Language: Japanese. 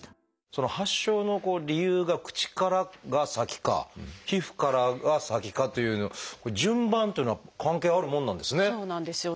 その発症の理由が口からが先か皮膚からが先かという順番というのは関係あるもんなんですね。